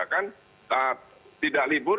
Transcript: kan tidak libur